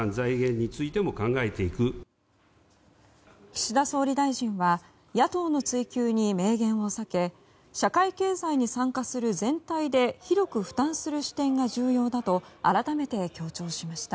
岸田総理大臣は野党の追及に明言を避け社会経済に参加する全体で広く負担する視点が重要だと改めて強調しました。